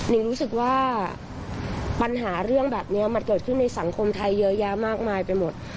งรู้สึกว่าปัญหาเรื่องแบบนี้มันเกิดขึ้นในสังคมไทยเยอะแยะมากมายไปหมด